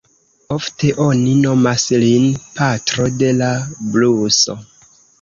Ofte oni nomas lin „patro de la bluso"“.